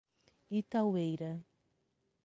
Itaueira